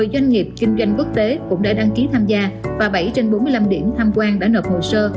một mươi doanh nghiệp kinh doanh quốc tế cũng đã đăng ký tham gia và bảy trên bốn mươi năm điểm tham quan đã nộp hồ sơ